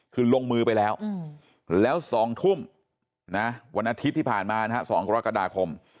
คือลงมือไปแล้วแล้ว๒ทุ่มวันอาทิตย์ที่ผ่านมานะฮะ๒กรกฎาคม